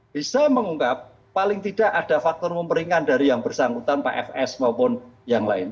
bisa mengungkap paling tidak ada faktor memperingan dari yang bersangkutan pak fs maupun yang lain